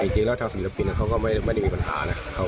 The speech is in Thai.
จริงแล้วทางศิลปินเขาก็ไม่ได้มีปัญหานะ